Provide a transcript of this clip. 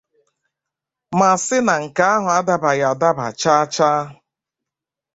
ma sị na nke ahụ adabaghị adaba chaa chaa